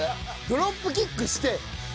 ドロップキックして。